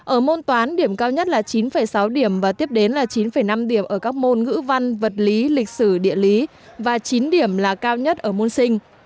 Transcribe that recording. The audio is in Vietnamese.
ở môn toán điểm cao nhất là chín sáu điểm và tiếp đến là chín năm điểm ở các môn ngữ văn vật lý lịch sử địa lý và chín điểm là cao nhất ở môn sinh